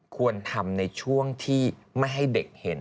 ควรทำในช่วงที่ไม่ให้เด็กเห็น